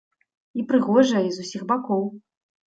І прыгожая, і з усіх бакоў.